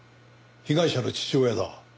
被害者の父親だ。